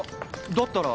だったら。